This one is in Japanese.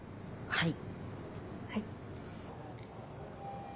はい。